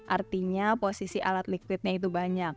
artinya posisi alat liquidnya itu banyak